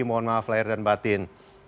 mohon maaf lahir dan batin